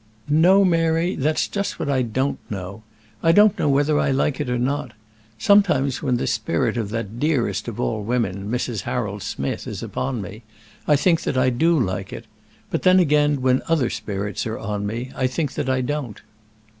"No, Mary; that's just what I don't know. I don't know whether I like it or not. Sometimes, when the spirit of that dearest of all women, Mrs. Harold Smith, is upon me, I think that I do like it; but then again, when other spirits are on me, I think that I don't."